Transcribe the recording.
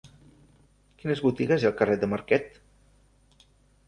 Quines botigues hi ha al carrer de Marquet?